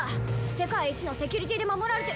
世界一のセキュリティーで守られて。